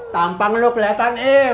tampang lo keliatan im